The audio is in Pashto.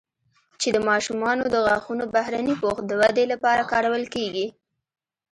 چې د ماشومانو د غاښونو بهرني پوښ د ودې لپاره کارول کېږي